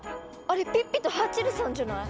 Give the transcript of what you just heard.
あれピッピとハッチェルさんじゃない？